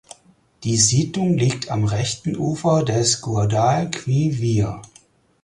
Die Siedlung liegt am rechten Ufer des Guadalquivir.